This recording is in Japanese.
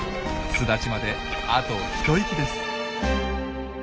巣立ちまであと一息です。